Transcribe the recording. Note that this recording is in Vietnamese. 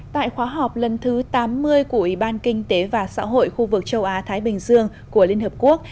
tại khóa họp lần thứ tám mươi của ủy ban kinh tế và xã hội khu vực châu á thái bình dương của liên hợp quốc